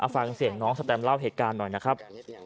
ฟังเสียงน้องสแตมเล่าเหตุการณ์หน่อยนะครับ